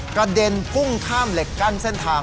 กระเด็นพุ่งข้ามเหล็กกั้นเส้นทาง